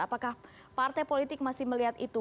apakah partai politik masih melihat itu